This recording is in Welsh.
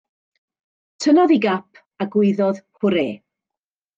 Tynnodd ei gap a gwaeddodd hwrê.